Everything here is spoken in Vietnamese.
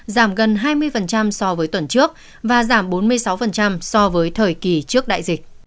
giảm gần hai mươi so với tuần trước và giảm bốn mươi sáu so với thời kỳ trước đại dịch